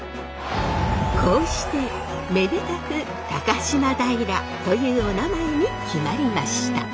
こうしてめでたく高島平というおなまえに決まりました。